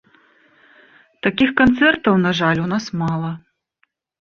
Такіх канцэртаў, на жаль, у нас мала.